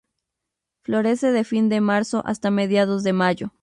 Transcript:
Florece de fin de marzo hasta mediados de mayo.